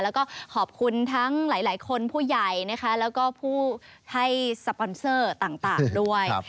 แล้วก็ขอบคุณทั้งหลายคนผู้ใหญ่นะคะแล้วก็ผู้ให้สปอนเซอร์ต่างด้วย